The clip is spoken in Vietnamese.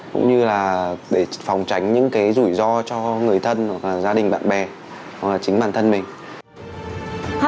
cũng như là để phòng tránh những cái rủi ro cho người thân hoặc là gia đình bạn bè hoặc là chính bản thân mình